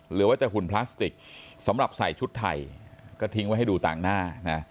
หรือว่าจะหุ่นพลาสติกสำหรับใส่ชุดไทยก็ทิ้งไว้ให้ดูต่างหน้านะ